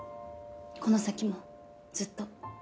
この先もずっと。